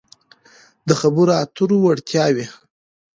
-د خبرو اترو وړتیاوې